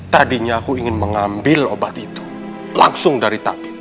tadinya aku ingin mengambil obat itu langsung dari tapi